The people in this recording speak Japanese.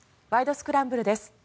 スクランブル」です。